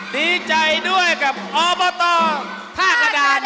ดีใจด้วยกับอบตท่ากระดาน